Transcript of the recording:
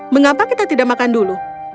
mengapa kita tidak makan dulu